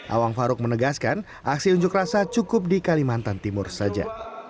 awang faruk menegaskan aksi unjuk rasa cukup di kalimantan timur saja